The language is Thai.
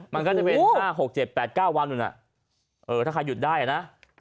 มันก็จะเป็น๕๖๗๘๙วันถ้าใครหยุดได้นะ